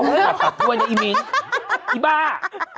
คุณก็ไม่ได้ต้องตัดปรับด้วยนะอีบ้า